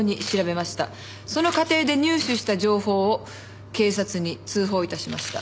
その過程で入手した情報を警察に通報致しました。